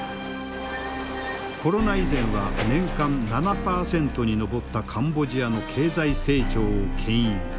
コロナ以前は年間７％に上ったカンボジアの経済成長を牽引。